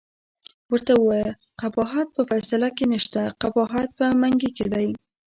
ورته ووایه قباحت په فیصله کې نشته، قباحت په منګي کې دی.